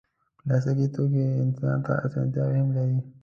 پلاستيکي توکي انسان ته اسانتیا هم لري.